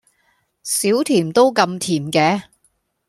少甜都咁甜嘅？